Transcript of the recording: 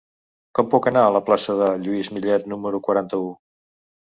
Com puc anar a la plaça de Lluís Millet número quaranta-u?